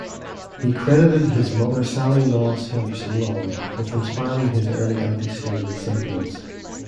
He credited his mother Sally Laws Henderson Long with inspiring his early antislavery sentiments.